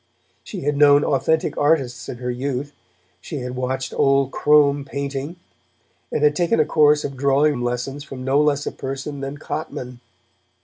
She had known authentic artists in her youth; she had watched Old Crome painting, and had taken a course of drawing lessons from no less a person than Cotman.